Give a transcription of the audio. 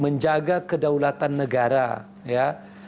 menjaga kedaulatan negara